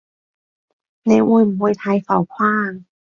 你會唔會太浮誇啊？